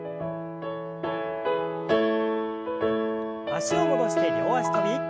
脚を戻して両脚跳び。